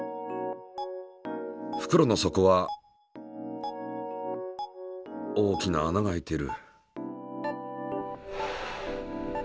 ふくろの底は大きな穴が開いている。